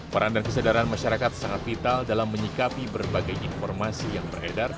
peran dan kesadaran masyarakat sangat vital dalam menyikapi berbagai informasi yang beredar